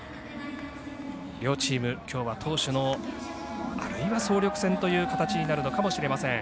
両チーム、きょうは投手のあるいは総力戦という形になるのかもしれません。